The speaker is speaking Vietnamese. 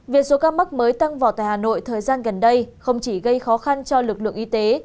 việc số ca mắc mới tăng vọt tại hà nội thời gian gần đây không chỉ gây khó khăn cho lực lượng y tế